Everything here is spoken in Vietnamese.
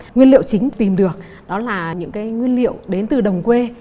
nguyên liệu chính tìm được đó là những cái nguyên liệu đến từ đồng quê